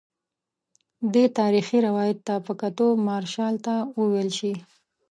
دې تاریخي روایت ته په کتو مارشال ته وویل شي.